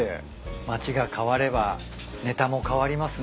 町が変わればねたも変わりますね。